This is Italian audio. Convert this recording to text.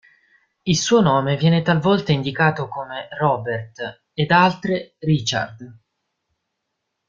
Il suo nome viene talvolta indicato come Robert, ed altre Richard.